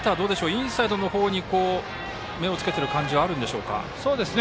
インサイドの方に目をつけている感じはあるでしょうか。